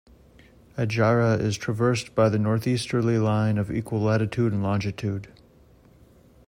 Adjara is traversed by the northeasterly line of equal latitude and longitude.